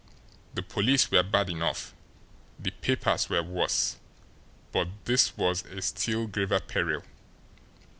The police were bad enough, the papers were worse; but this was a still graver peril.